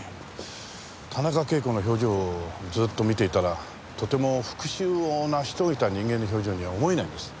田中啓子の表情をずっと見ていたらとても復讐を成し遂げた人間の表情には思えないんです。